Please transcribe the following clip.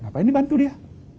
apa ini bantu dia